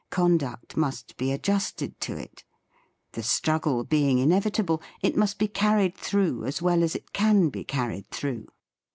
Conduct must be adjusted to it. The struggle being in evitable, it must be carried through as well as it can be carried through.